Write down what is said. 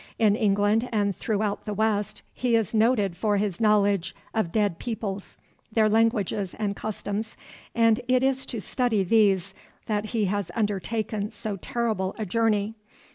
In England and throughout the West he is noted for his knowledge of dead peoples, their languages, and customs, and it is to study these that he has undertaken so terrible a journey.